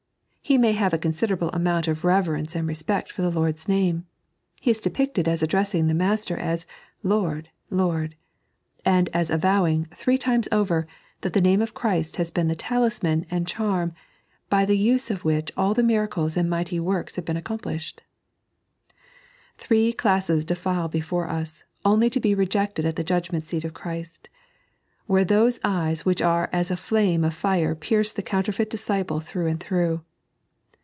He may have a considerable amount of reverence and respect for the Lord's name. He is depicted as addressisg the Master as " Lord, Lord "; and as avowing, three times over, that the name of Obrist has been the talisman sxiA charm by the use of which all the miradee and mighty works have been accomplished. Three classes defile before us, only to be rejected at the judgment seat of Christ, where those eyes which are as a fl&me of fire pierce the counterfeit disciple through and through.